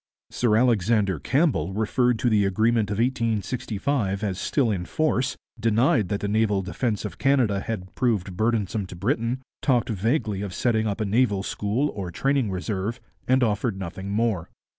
Sir Alexander Campbell referred to the agreement of 1865 as still in force, denied that the naval defence of Canada had proved burdensome to Britain, talked vaguely of setting up a naval school or training a reserve, and offered nothing more.